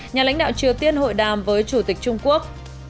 nhà lãnh đạo triều tiên hội đàm với chủ tịch trung quốc